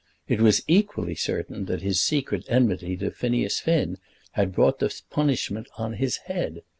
It was equally certain that his secret enmity to Phineas Finn had brought this punishment on his head.